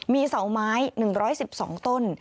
มีเสาไม้๑๑๒ต้น